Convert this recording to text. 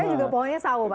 saya juga pohonnya sawo pak